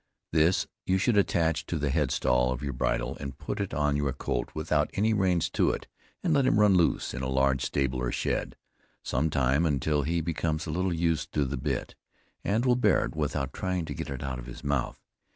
This you should attach to the head stall of your bridle and put it on your colt without any reins to it, and let him run loose in a large stable or shed, some time, until he becomes a little used to the bit, and will bear it without trying to get it out of his mouth.